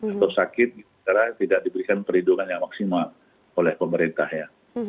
atau sakit karena tidak diberikan perlindungan yang maksimal oleh pemerintah ya